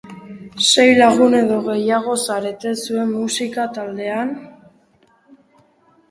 Sei lagun edo gehiago zarete zuen musika taldean?